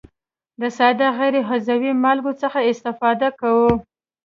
د ساده غیر عضوي مالګو څخه استفاده کوي.